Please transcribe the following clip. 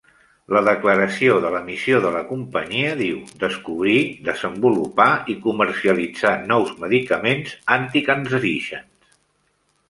La declaració de la missió de la companyia diu... descobrir, desenvolupar i comercialitzar nous medicaments anticancerígens.